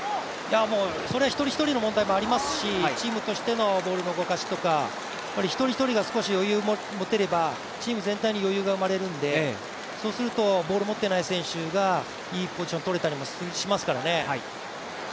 それは１人１人の問題もありますし、チームとしてのボールの動かしとか一人一人が余裕を持てればチーム全体に余裕が生まれるのでそうするとボールを持っていない選手がいいポジションを取れたりもしますからね。